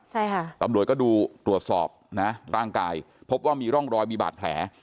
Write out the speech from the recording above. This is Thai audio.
ใช่ค่ะตำรวจก็ดูตรวจสอบนะร่างกายพบว่ามีร่องรอยมีบาดแผล